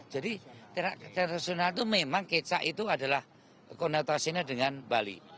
jadi terak nasional itu memang kecak itu adalah konotasinya dengan bali